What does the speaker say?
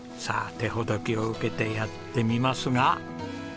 手ほどきを受けてやってみますが。